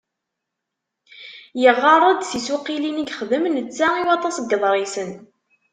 Yeγγar-d tisuqilin i yexdem netta i waṭas n yiḍrisen.